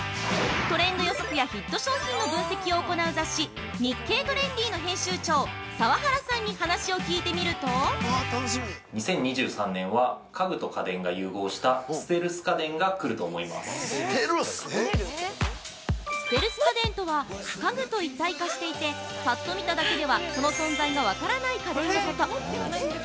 ◆トレンド予測やヒット商品の分析を行う雑誌「日経トレンディ」の編集長澤原さんに話を聞いてみると◆ステルス家電とは家具と一体化していて、ぱっと見ただけではその存在が分からない家電のこと。